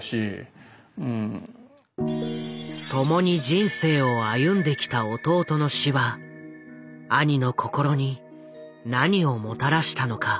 共に人生を歩んできた弟の死は兄の心に何をもたらしたのか？